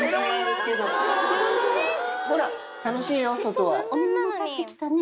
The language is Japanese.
ほら楽しいよ外は。